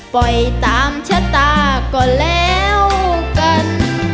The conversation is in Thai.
ปล่อยตามชะตาก็แล้วกัน